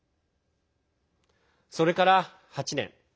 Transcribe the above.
それから８年。